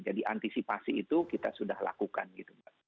jadi antisipasi itu kita sudah lakukan gitu mbak